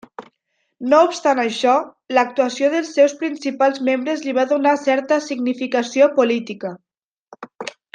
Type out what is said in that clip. No obstant això, l'actuació dels seus principals membres li va donar certa significació política.